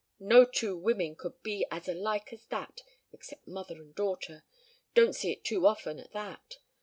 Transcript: No two women could be as alike as that except mother and daughter don't see it too often at that.